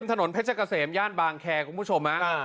ถนนเพชรกระเสมย่านบางแคร์คุณผู้ชมอ่า